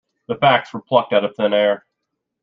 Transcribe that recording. The facts were plucked out of thin air.